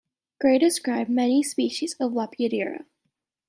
Gray described many species of Lepidoptera.